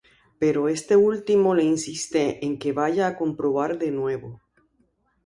Pero este último le insiste en que vaya a comprobar de nuevo.